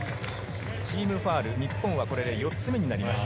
チームファウル、日本はこれで４つめになりました。